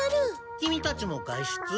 キミたちも外出？